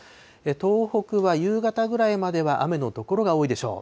東北は夕方ぐらいまでは雨の所が多いでしょう。